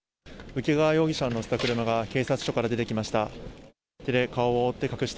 請川容疑者を乗せた車が警察署から出てきました。